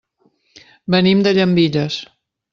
Venim de Llambilles.